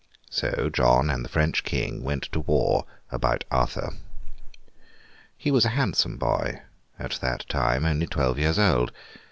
So John and the French King went to war about Arthur. He was a handsome boy, at that time only twelve years old.